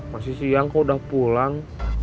masih siang kok udah pulang